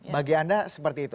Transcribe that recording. bagi anda seperti itu